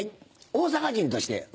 大阪人として。